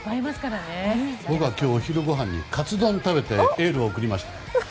今日僕はお昼ご飯にカツ丼を食べてエールを送りました。